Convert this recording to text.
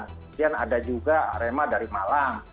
kemudian ada juga arema dari malang